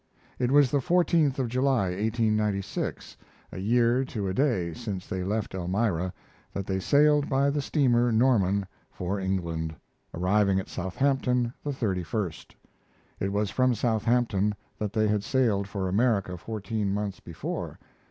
It was the 14th of July, 1896, a year to a day since they left Elmira, that they sailed by the steamer Norman for England, arriving at Southampton the 31st. It was from Southampton that they had sailed for America fourteen months before.